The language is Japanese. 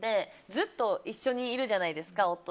ずっと一緒にいるじゃないですか。